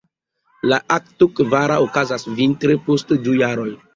La akto kvara okazas vintre post du jaroj.